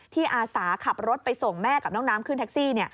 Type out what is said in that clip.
อาสาขับรถไปส่งแม่กับน้องน้ำขึ้นแท็กซี่